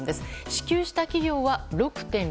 支給した企業は６．６％。